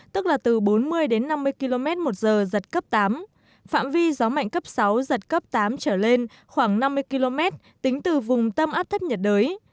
tức là từ bốn mươi đến năm mươi km một giờ giật cấp tám phạm vi gió mạnh cấp sáu giật cấp tám trở lên khoảng năm mươi km tính từ vùng tâm áp thấp nhiệt đới